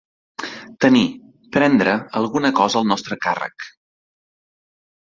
Tenir, prendre, alguna cosa al nostre càrrec.